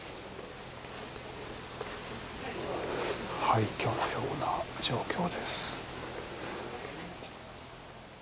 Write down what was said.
廃墟のような状況です。